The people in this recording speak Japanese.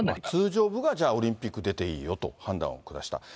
通常部がじゃあオリンピック出ていいよと判断を下した。